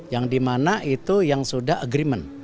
yang di mana itu yang sudah agreement